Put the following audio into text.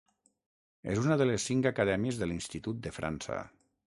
És una de les cinc acadèmies de l'Institut de França.